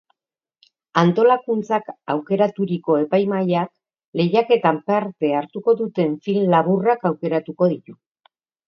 Antolakuntzak aukeraturiko epaimahaiak lehiaketan parte hartuko duten film laburrak aukeratuko ditu.